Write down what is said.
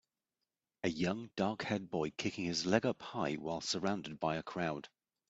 A young, darkhaired boy kicking his leg up high while surrounded by a crowd.